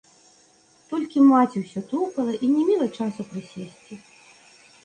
Толькі маці ўсё тупала і не мела часу прысесці.